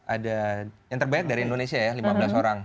ada yang terbaik dari indonesia ya lima belas orang